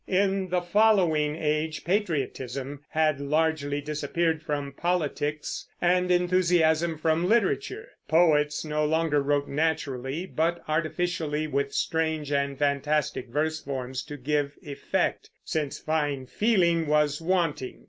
In the following age patriotism had largely disappeared from politics and enthusiasm from literature. Poets no longer wrote naturally, but artificially, with strange and fantastic verse forms to give effect, since fine feeling was wanting.